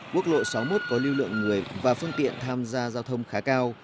quốc lộ sáu mươi một có lưu lượng người và phương tiện tham gia giao thông khá cao